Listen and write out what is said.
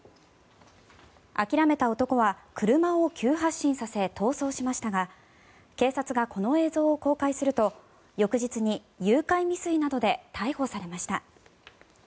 諦めた男は車を急発進させ逃走しましたが警察がこの映像を公開すると翌日に誘拐未遂などで逮捕されました。